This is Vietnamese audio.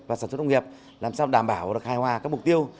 và sản xuất công nghiệp làm sao đảm bảo và khai hòa các mục tiêu